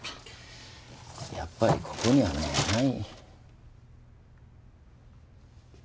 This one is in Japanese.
やっぱりここには何もない。